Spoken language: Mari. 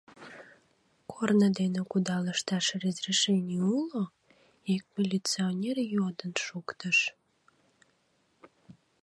— Корно дене кудалышташ разрешений уло? — ик милиционер йодын шуктыш.